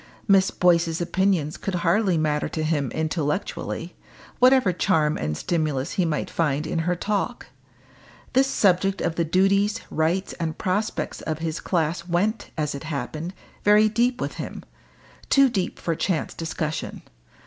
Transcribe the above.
Miss Boyce's opinions could hardly matter to him intellectually, whatever charm and stimulus he might find in her talk. This subject of the duties, rights, and prospects of his class went, as it happened, very deep with him too deep for chance discussion.